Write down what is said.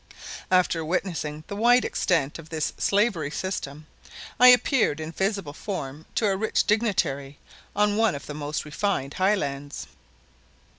After witnessing the wide extent of this slavery system, I appeared in visible form to a rich dignitary on one of the most refined highlands.